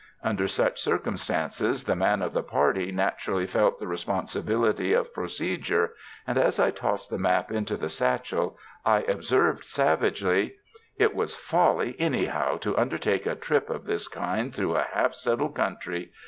Under such circumstances the man of the party naturally felt the responsibility of procedure, and as I tossed the map into the satchel, I observed savagely: "It was folly anyhow to undertake a trip of this kind through a half settled country.